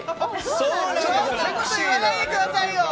そんなこと言わないでくださいよ！